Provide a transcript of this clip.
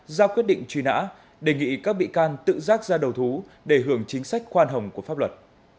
ra quyết định truy nã đề nghị các bị can tự rác ra đầu thú để hưởng chính sách khoan hồng của pháp luật